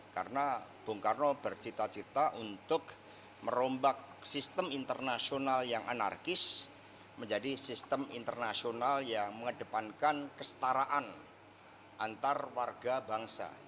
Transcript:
karena bung karno bercita cita untuk merombak sistem internasional yang anarkis menjadi sistem internasional yang mengedepankan kestaraan antar warga bangsa